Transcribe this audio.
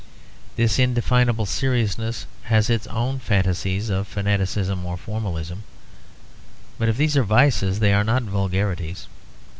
This indefinable seriousness has its own fantasies of fanaticism or formalism; but if these are vices they are not vulgarities.